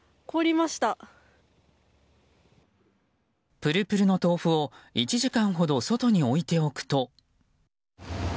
プルプルの豆腐を１時間ほど外に置いておくと。